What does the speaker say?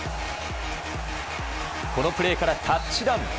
このプレーからタッチダウン。